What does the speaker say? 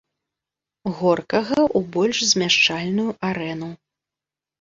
Горкага ў больш змяшчальную арэну.